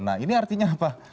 nah ini artinya apa